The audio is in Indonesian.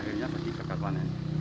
akhirnya pergi ke kegagalan panen